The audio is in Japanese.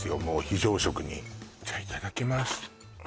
非常食にじゃいただきます